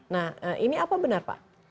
nah ini apa benar pak